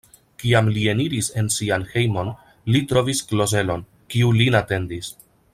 Kiam li eniris en sian hejmon, li trovis Klozelon, kiu lin atendis.